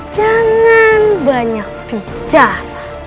jangan banyak bicara